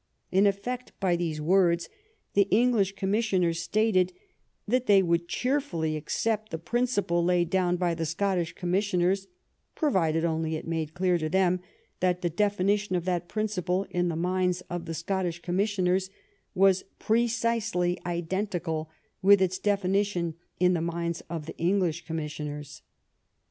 In effect, by these words the English commis sioners stated that they would cheerfully accept the principle laid down by the Scottish commissioners, provided only it was made clear to them that the defi nition of that principle in the minds of the Scottish commissioners was precisely identical with its defini tion in the minds of the English commissioners.